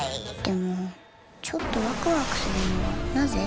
でもちょっとワクワクするのはなぜ？